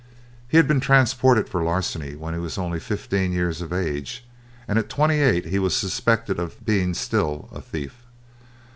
He had been transported for larceny when he was only fifteen years of age, and at twenty eight he was suspected of being still a thief.